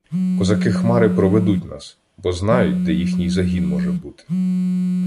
Козаки Хмари проведуть нас, бо знають, де їхній загін може бути.